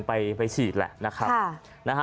ไปฉีดแหละนะครับ